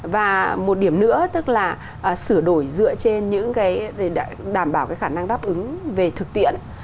và một điểm nữa tức là sửa đổi dựa trên những cái đảm bảo cái khả năng đáp ứng về thực tiễn